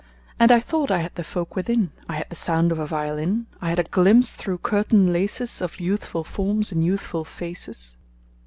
And I thought I had the folk within: I had the sound of a violin; I had a glimpse through curtain laces Of youthful forms and youthful faces.